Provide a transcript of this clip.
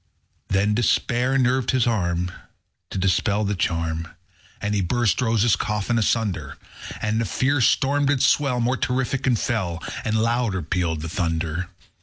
_75 14. Then despair nerved his arm To dispel the charm, And he burst Rosa's coffin asunder. And the fierce storm did swell More terrific and fell, _80 And louder pealed the thunder.